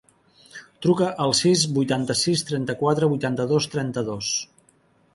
Truca al sis, vuitanta-sis, trenta-quatre, vuitanta-dos, trenta-dos.